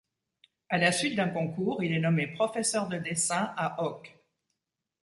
À la suite d'un concours, il est nommé professeur de dessin à Auch.